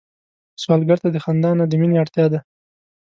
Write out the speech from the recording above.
سوالګر ته د خندا نه، د مينه اړتيا ده